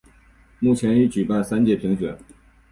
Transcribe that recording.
目前已举办三届评选。